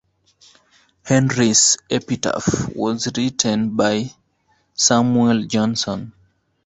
Henry's epitaph was written by Samuel Johnson.